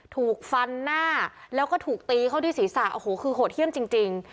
ถูกฟันหน้าแล้วก็ถูกตีเข้าที่ศีรษะโอ้โหคือโหดเยี่ยมจริง